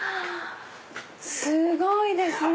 すごいですね！